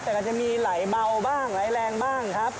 แต่ก็จะมีไหลเบาบ้างไหลแรงบ้างครับ